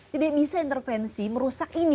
tidak bisa intervensi merusak ini